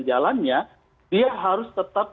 jalannya dia harus tetap